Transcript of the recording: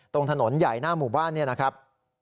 ตรงถนนใหญ่หน้าหมู่บ้านเนี่ยนะครับ